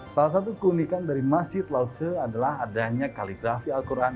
salah satu keunikan dari masjid lause adalah adanya kaligrafi al quran